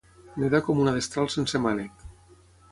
Nedar com una destral sense mànec.